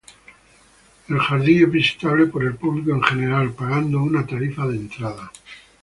El jardín es visitable por el público en general, pagando una tarifa de entrada.